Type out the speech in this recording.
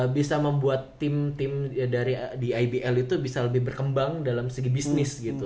bisa membuat tim tim dari di ibl itu bisa lebih berkembang dalam segi bisnis gitu